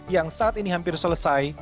yang saat ini hampir selesai